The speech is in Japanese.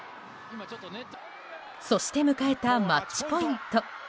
そして迎えたマッチポイント。